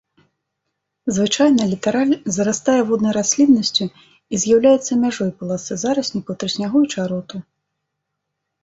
Звычайна літараль зарастае воднай расліннасцю і з'яўляецца мяжой паласы зараснікаў трыснягу і чароту.